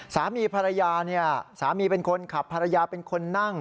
สามีภรรยาเนี่ยสามีเป็นคนขับภรรยาเป็นคนนั่ง